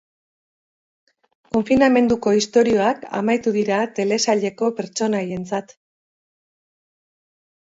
Konfinamenduko istorioak amaitu dira telesaileko pertsonaientzat.